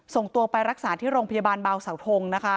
ส่งตัวไปรักษาที่โรงพยาบาลบางสาวทงนะคะ